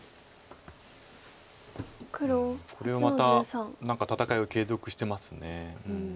これはまた何か戦いを継続してます。